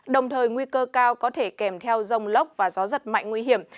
đồng thời nguy cơ cao có thể kèm theo rông lốc và gió giật mạnh nguy hiểm